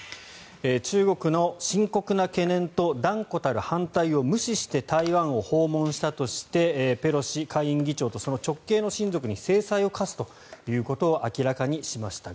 中国の深刻な懸念と断固たる反対を無視して台湾を訪問したとしてペロシ下院議長とその直系の親族に制裁を科すということを明らかにしました。